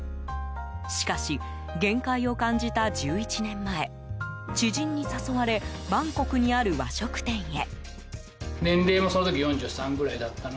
しかし、限界を感じた１１年前知人に誘われバンコクにある和食店へ。